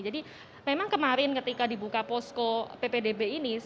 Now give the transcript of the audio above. jadi memang kemarin ketika dibuka posko ppdb ini